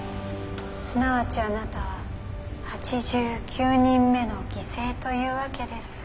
すなわちあなたは８９人目の犠牲というわけです。